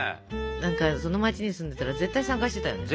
何かその街に住んでたら絶対参加してたよね。